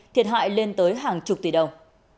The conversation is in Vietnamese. thiệt hại lên tới hàng chục tỷ đồng